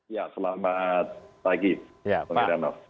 ya selamat pagi pak heranov